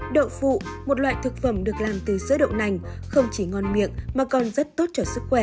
đậu phụ một loại thực phẩm được làm từ sữa đậu nành không chỉ ngon miệng mà còn rất tốt cho sức khỏe